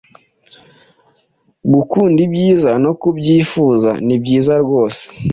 Gukunda ibyiza no kubyifuza ni byiza rwose